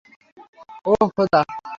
অহ, খোদা!